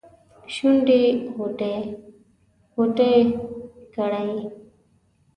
شونډې غوټې ، غوټې کړي